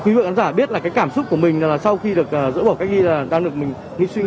quý vị khán giả biết là cái cảm xúc của mình là sau khi được dỡ bỏ cách ly là đang được suy nghĩ như thế nào